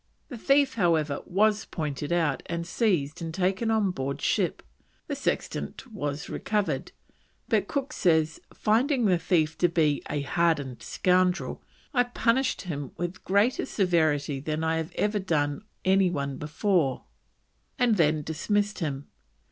The thief, however, was pointed out, seized, and taken on board ship; the sextant was recovered, but Cook says, finding the thief to be "a hardened scoundrel, I punished him with greater severity than I have ever done any one before, and then dismissed him."